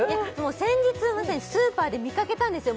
先日まさにスーパーで見かけたんですよ